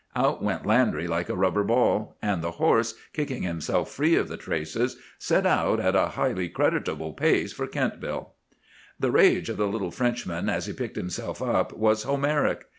Out went Landry like a rubber ball; and the horse, kicking himself free of the traces, set out at a highly creditable pace for Kentville. "The rage of the little Frenchman, as he picked himself up, was Homeric.